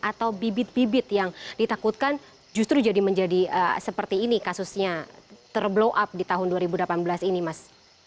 atau bibit bibit yang ditakutkan justru jadi menjadi seperti ini kasusnya terblow up di tahun dua ribu delapan belas ini mas